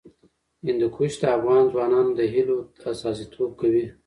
هندوکش د افغان ځوانانو د هیلو استازیتوب کوي.